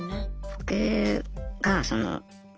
僕がそのまあ